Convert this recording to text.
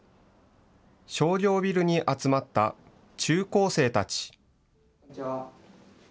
商業ビルに集まった中高生たち。